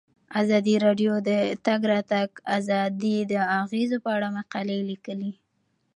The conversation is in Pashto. ازادي راډیو د د تګ راتګ ازادي د اغیزو په اړه مقالو لیکلي.